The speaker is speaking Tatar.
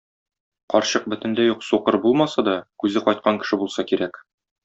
Карчык бөтенләй үк сукыр булмаса да, күзе кайткан кеше булса кирәк.